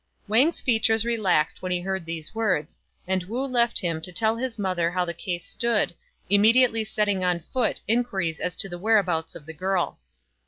Wang's features relaxed when he heard these words ; and Wu left him to tell his mother how the case stood, immediately setting on foot in quiries as to the whereabouts of the girl.